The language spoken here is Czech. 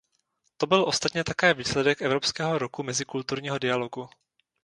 To byl ostatně také výsledek Evropského roku mezikulturního dialogu.